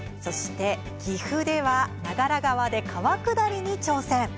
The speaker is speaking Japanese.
岐阜では、長良川で川下りに挑戦。